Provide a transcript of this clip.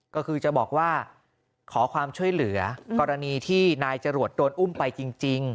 ก็คือจะบอกว่าขอความช่วยเหลือกรณีที่นายจรวดโดนอุ้มไปจริง